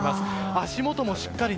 足元もしっかり。